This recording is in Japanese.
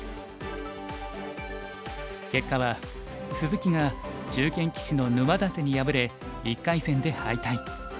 結果は鈴木が中堅棋士の沼舘に敗れ１回戦で敗退。